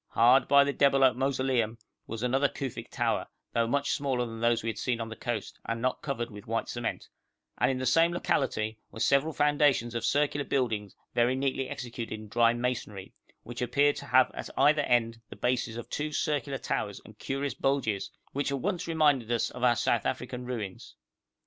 Hard by the Debalohp mausoleum was another Kufic tower, though much smaller than those we had seen on the coast, and not covered with white cement, and in the same locality were several foundations of circular buildings very neatly executed in dry masonry, which appeared to have at either end the bases of two circular towers and curious bulges, which at once reminded us of our South African ruins.